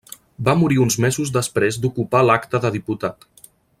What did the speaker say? Va morir uns mesos després d'ocupar l'acta de diputat.